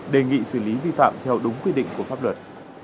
đề nghị xử lý vi phạm theo đúng quy định của pháp luật